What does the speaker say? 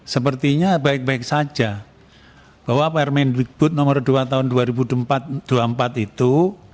sepertinya baik baik saja bahwa permendikbud nomor dua tahun dua ribu dua puluh empat itu